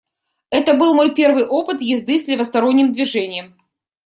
Это был мой первый опыт езды с левосторонним движением.